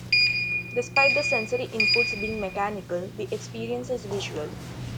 Despite the sensory input's being mechanical, the experience is visual.